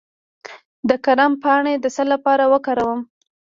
د کرم پاڼې د څه لپاره وکاروم؟